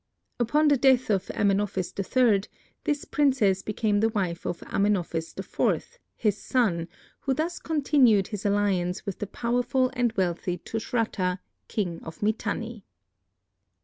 Upon the death of Amenophis III, this princess became the wife of Amenophis IV, his son, who thus continued his alliance with the powerful and wealthy Tushratta, king of Mitanni.